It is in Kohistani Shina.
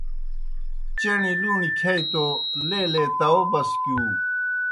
چݨیْ لُوݨیْ کِھیا توْ لیلے تاؤ بسکِیُو۔